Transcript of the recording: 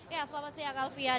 ya selamat siang alvian